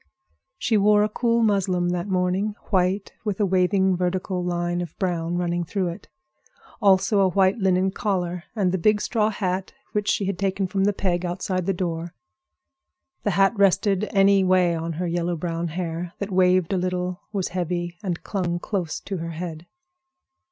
She wore a cool muslin that morning—white, with a waving vertical line of brown running through it; also a white linen collar and the big straw hat which she had taken from the peg outside the door. The hat rested any way on her yellow brown hair, that waved a little, was heavy, and clung close to her head.